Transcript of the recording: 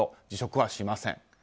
辞職はしません。